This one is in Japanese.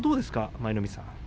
舞の海さん。